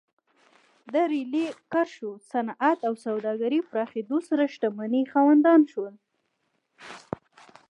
د ریلي کرښو، صنعت او سوداګرۍ پراخېدو سره شتمنۍ خاوندان شول.